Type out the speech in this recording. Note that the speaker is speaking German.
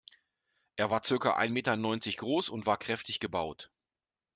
Er war circa ein Meter neunzig groß und war kräftig gebaut.